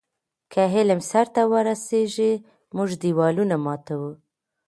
که علم سرته ورسیږي، موږ دیوالونه ماتوو.